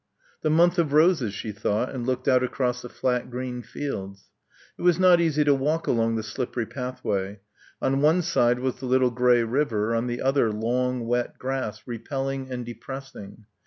The month of roses, she thought, and looked out across the flat green fields. It was not easy to walk along the slippery pathway. On one side was the little grey river, on the other long wet grass repelling and depressing.